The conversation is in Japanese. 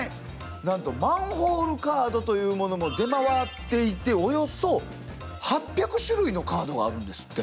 なんとマンホールカードというものも出回っていておよそ８００種類のカードがあるんですって。